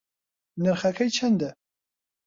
نرخەکەی چەندە؟